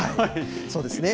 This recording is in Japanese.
そうですね。